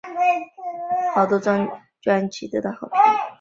莲录制的多张专辑得到好评。